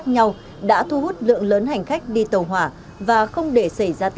như lào cai đồng hóa